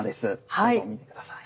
どうぞ見て下さい。